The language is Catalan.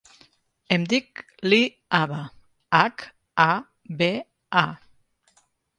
Em dic Lea Haba: hac, a, be, a.